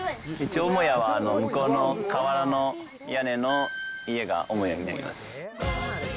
一応、母屋は向こうのかわらの屋根の家が母屋になります。